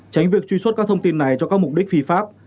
tránh việc truy xuất các thông tin này cho các mục đích phi pháp